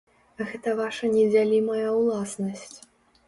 Гэта ваша недзялімая ўласнасць.